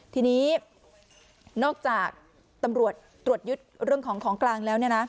ทีนี้นอกจากตำรวจตรวจยึดเรื่องของของกลางแล้ว